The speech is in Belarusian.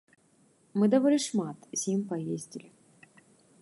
Мы даволі шмат з ім паездзілі.